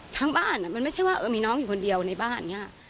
ทั้งบ้านมันไม่ใช่ว่ามีน้องอยู่คนเดียวในบ้านอย่างนี้